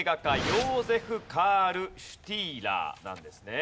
ヨーゼフ・カール・シュティーラーなんですね。